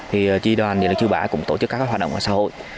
thì tri đoàn điện lực chư bả cũng tổ chức các hoạt động ở xã hội